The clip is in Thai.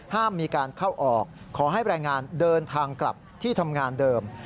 ห้ามมีการเข้าออกขอให้แรงงานเดินทางกลับที่ทำงานเดิม